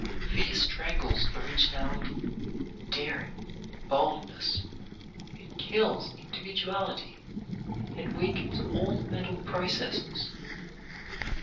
Fear strangles originality, daring, boldness; it kills individuality, and weakens all the mental processes.